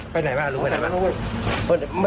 ไปไหนบ้างรู้ไหมว่าไหนบ้าง